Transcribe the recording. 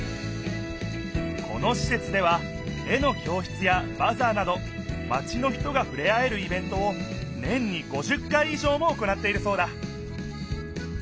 このしせつでは絵の教室やバザーなどマチの人がふれあえるイベントを年に５０回いじょうも行っているそうだ